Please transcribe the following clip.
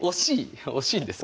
惜しいんですか？